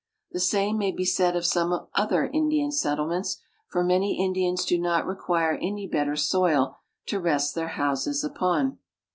The same may be said of some other Indian settlements, for many Indians do not require any better soil to rest their houses upon.